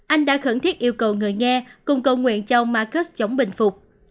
anh đã khẩn thiết yêu cầu người nghe cùng cầu nguyện cho ông marcus chống bình phục